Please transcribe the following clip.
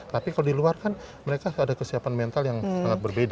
tapi kalau di luar kan mereka ada kesiapan mental yang sangat berbeda